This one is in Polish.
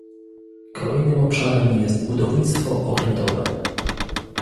Kolejnym obszarem jest budownictwo okrętowe